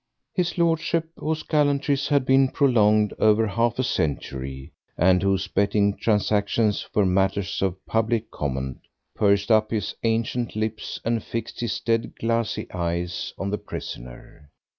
His Lordship, whose gallantries had been prolonged over half a century, and whose betting transactions were matters of public comment, pursed up his ancient lips and fixed his dead glassy eyes on the prisoner.